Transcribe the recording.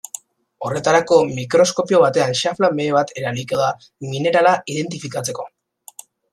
Horretarako mikroskopio batean xafla-mehe bat erabiliko da minerala identifikatzeko.